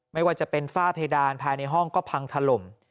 ไม่ว่าจะเป็นฝ้าเพดานภายในห้องก็พังถล่ม